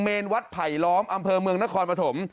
วัดไผลล้อมอำเภอเมืองนครปฐม